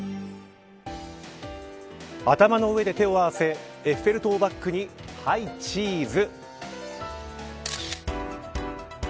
頭の上で手を合わせエッフェル塔をバックにはいチーズ。